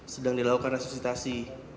sedang dilakukan resusitasi